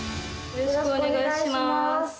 よろしくお願いします。